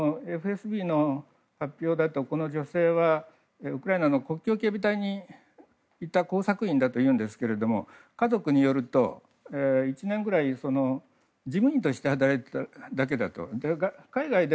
ＦＳＢの発表だとこの女性はウクライナの国境警備隊にいた工作員だというんですけれども家族によると、１年ぐらい事務員として働いていただけだと。